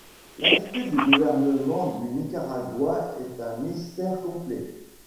L'attitude du gouvernement du Nicaragua est un mystère complet.